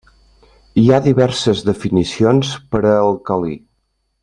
Hi ha diverses definicions per a àlcali.